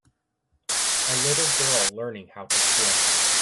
A little girl learning how to swim.